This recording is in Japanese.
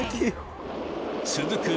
続く